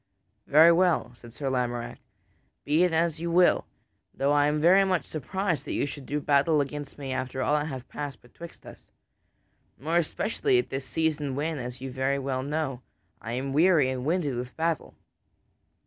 "Very well," said Sir Lamorack, "so be it as you will, though I am very much surprised that you should do battle against me, after all that hath passed betwixt us. More especially at this season when, as you very well know, I am weary and winded with battle."